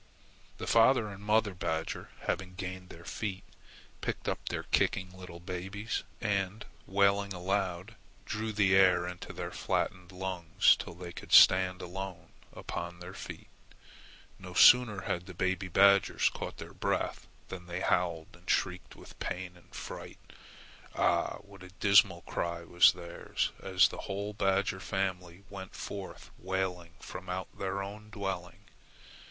The father and mother badger, having gained their feet, picked up their kicking little babes, and, wailing aloud, drew the air into their flattened lungs till they could stand alone upon their feet. No sooner had the baby badgers caught their breath than they howled and shrieked with pain and fright. Ah! what a dismal cry was theirs as the whole badger family went forth wailing from out their own dwelling!